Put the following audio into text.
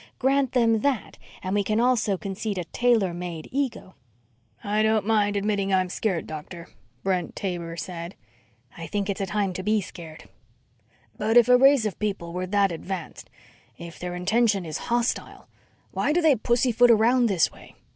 Grant them that and we can also concede a tailor made ego." "I don't mind admitting I'm scared, Doctor," Brent Taber said. "I think it's a time to be scared." "But if a race of people were that advanced, if their intention is hostile, why do they pussyfoot around this way?